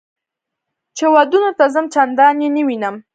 چې ودونو ته ځم چندان یې نه وینم.